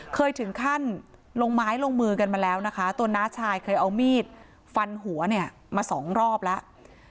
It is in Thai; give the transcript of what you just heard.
เคยถึงขั้นลงไม้ลงมือกันมาแล้วนะคะตัวน้าชายเคยเอามีดฟันหัวเนี่ยมาสองรอบแล้ว